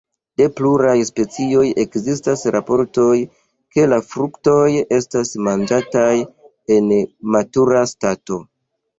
De pluraj specioj ekzistas raportoj, ke la fruktoj estas manĝataj en matura stato.